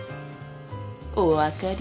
お分かり？